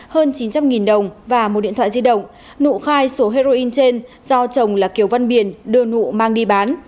hơn chín trăm linh đồng và một điện thoại di động nụ khai số heroin trên do chồng là kiều văn biển đưa nụ mang đi bán